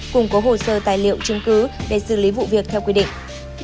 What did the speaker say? cùng có hồ sơ tài liệu chứng cứ để xử lý vụ việc theo quy định